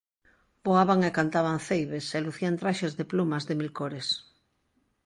Voaban e cantaban ceibes e lucían traxes de plumas de mil cores.